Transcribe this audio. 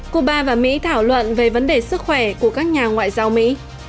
cuba và mỹ thảo luận về vấn đề sức khỏe của các nhà ngoại giao mỹ